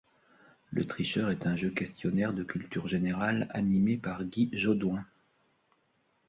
Le Tricheur est un jeu-questionnaire de culture générale animé par Guy Jodoin.